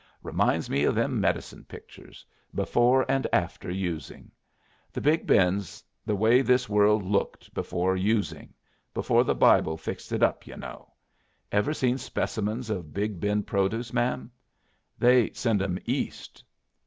Reminds me of them medicine pictures, 'Before and After Using.' The Big Bend's the way this world looked before using before the Bible fixed it up, ye know. Ever seen specimens of Big Bend produce, ma'am? They send 'em East.